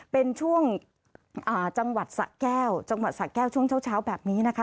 เป็นช่วงจังหวัดสะแก้วช่วงเช้าแบบนี้นะคะ